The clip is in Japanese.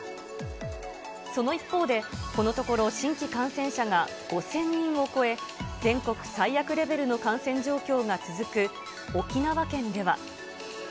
その一方で、このところ、新規感染者が５０００人を超え、全国最悪レベルの感染状況が続く沖縄県では。